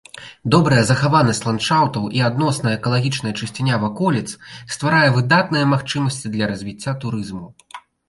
Добрая захаванасць ландшафтаў і адносная экалагічная чысціня ваколіц стварае выдатныя магчымасці для развіцця турызму.